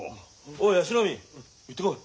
おい椰子の海行ってこい。